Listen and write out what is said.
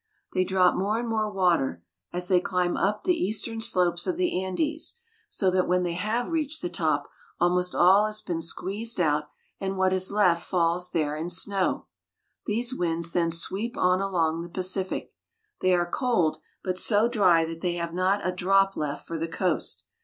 They drop more and more water as they climb up the GREAT DESERT. 53 eastern slopes of the Andes, so that when they have reached the top almost all has been squeezed out, and what is left falls there in snow. These winds then sweep on along the Pacific. They are cold, but so dry that they have not a drop left for the coast.